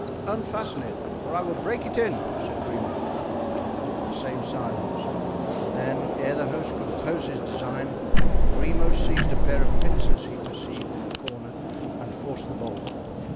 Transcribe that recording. "Unfasten it, or I will break it in!" said Grimaud. The same silence, and then, ere the host could oppose his design, Grimaud seized a pair of pincers he perceived in a corner and forced the bolt.